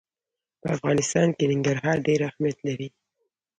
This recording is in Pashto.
په افغانستان کې ننګرهار ډېر اهمیت لري.